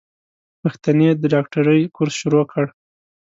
پښتنې د ډاکټرۍ کورس شروع کړو.